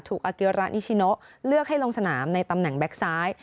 อาเกียระนิชิโนเลือกให้ลงสนามในตำแหน่งแก๊กซ้าย